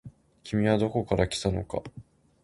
君はどこから来たのか。